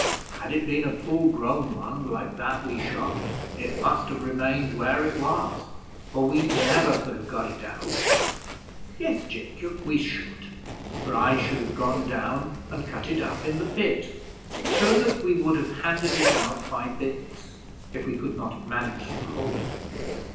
Had it been a full grown one, like that we shot, it must have remained where it was, for we never could have got it out." "Yes, Jacob, we should, for I should have gone down and cut it up in the pit, so that we would have handed it out by bits, if we could not have managed him whole."